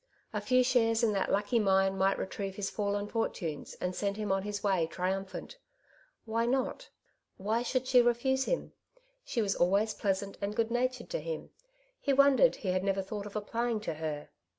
A. few shares in that lucky mine might retrieve his fallen fortunes, and send him on his way triumpljiint* "Why not ? Why should she refuse hirn ? She wan always pleasant and good natured to him ; h/; won dered he had never thought of applying Uj her.